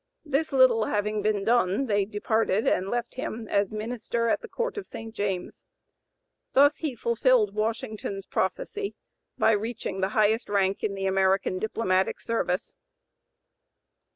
This little having been done, they departed and left him as Minister at the Court of St. James. Thus he fulfilled Washington's prophecy, by reaching the highest rank in the American diplomatic service.